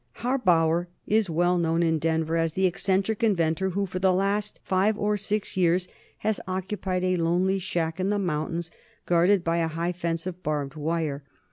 Harbauer is well known in Denver as the eccentric inventor who, for the last five or six years, has occupied a lonely shack in the mountains, guarded by a high fence of barbed wire.